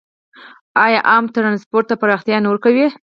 آیا عام ټرانسپورټ ته پراختیا نه ورکوي؟